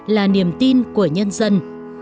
là niềm tin của nhân dân